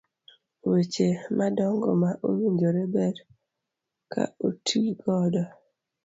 weche madongo ma owinjore ber ka otigodo.